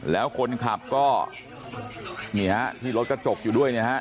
แล้วคนขับก็นี่ฮะที่รถกระจกอยู่ด้วยเนี่ยฮะ